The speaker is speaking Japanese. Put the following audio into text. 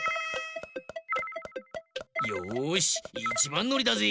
よしいちばんのりだぜ！